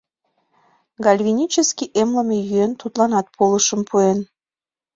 Гальванический эмлыме йӧн тудланат полышым пуэн.